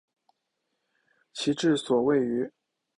其治所位于。